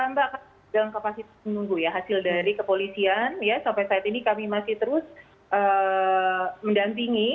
mbak akan dalam kapasitas menunggu ya hasil dari kepolisian ya sampai saat ini kami masih terus mendampingi